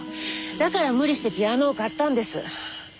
だから無理してピアノを買ったんです。